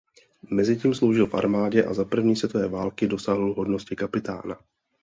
Mezitím sloužil v armádě a za první světové války dosáhl hodnosti kapitána.